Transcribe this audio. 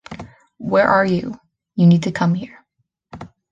Where are you? You need to come here.